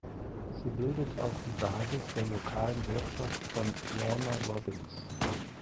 Sie bildet auch die Basis der lokalen Wirtschaft von Warner Robins.